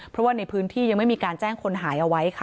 เพราะว่าในพื้นที่ยังไม่มีการแจ้งคนหายเอาไว้ค่ะ